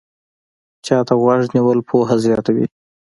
چا ته غوږ نیول پوهه زیاتوي